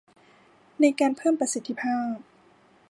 ในการเพิ่มประสิทธิภาพ